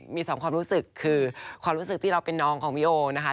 มีสองความรู้สึกคือความรู้สึกที่เราเป็นน้องของพี่โอนะคะ